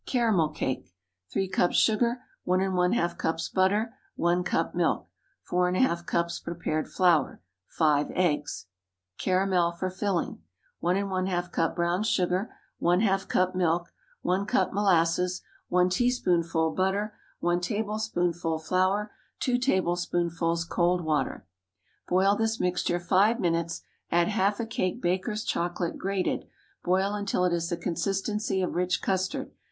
CARAMEL CAKE. ✠ 3 cups sugar. 1½ cups butter. 1 cup milk. 4½ cups prepared flour. 5 eggs. Caramel for Filling. 1½ cup brown sugar. ½ cup milk. 1 cup molasses. 1 teaspoonful butter. 1 tablespoonful flour. 2 tablespoonfuls cold water. Boil this mixture five minutes, add half a cake Baker's chocolate (grated), boil until it is the consistency of rich custard.